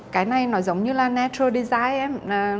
cái này nó giống như là natural design